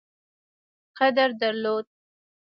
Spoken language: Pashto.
قدر درلود.